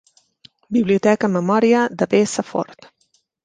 Biblioteca en memòria de B. Safford.